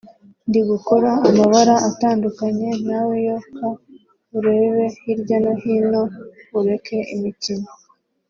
ndi gukora amabara atandukanye nawe yoka urebe hirya no hino ureke imikino